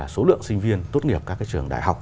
số lượng sinh viên tốt nghiệp các trường đại học